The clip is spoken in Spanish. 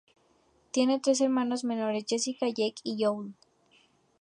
Tiene tres hermanos menores: Jessica, Jake y Joel.